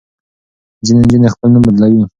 ځینې نجونې خپل نوم بدلوي.